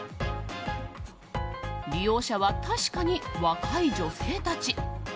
利用者は確かに若い女性たち。